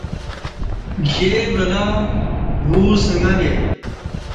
جے ولہ وو سنگں لے